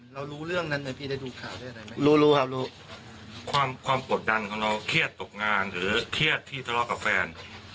รู้เรื่องนั้นไหมพี่ได้ดูข่าวเรื่องอะไรไหมรู้รู้ครับรู้ความความกดดันของเราเครียดตกงานหรือเครียดที่ทะเลาะกับแฟน